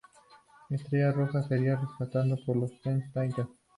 Estrella Roja sería rescatado por los Teen Titans.